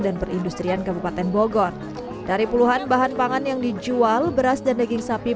dan perindustrian kabupaten bogor dari puluhan bahan pangan yang dijual beras dan daging sapi